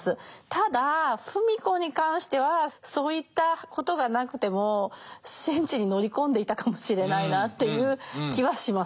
ただ芙美子に関してはそういったことがなくても戦地に乗り込んでいたかもしれないなっていう気はします。